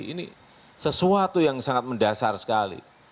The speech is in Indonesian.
ini sesuatu yang sangat mendasar sekali